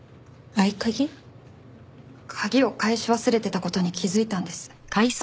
鍵を返し忘れてた事に気づいたんです。